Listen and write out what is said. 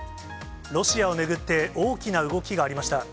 ロシアを巡って大きな動きがありました。